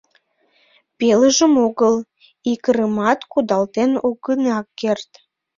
Пелыжым огыл, икырымат кудалтен огына керт.